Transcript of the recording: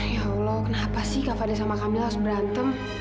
ya allah kenapa sih kak fadil sama kamila harus berantem